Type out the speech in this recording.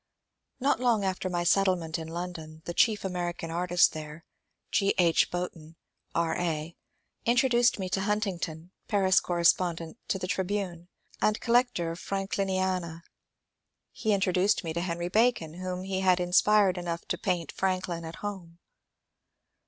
Not long after my settlement in London, the chief American artist there, G. H. Boughton R. A., introduced me to Huntington, Paris correspondent to the " Tribune, " and collector of " Frank liniana." He introduced me to Henry Bacon, whom he had inspired enough to paint '* Franklin at Home."